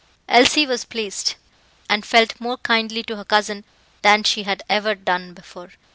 Elsie was pleased, and felt more kindly to her cousin than she had ever done before.